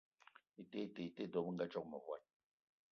Ete ete te, dò bëngadzoge mëvòd